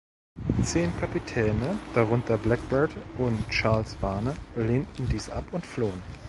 Zehn Kapitäne, darunter Blackbeard und Charles Vane, lehnten dies ab und flohen.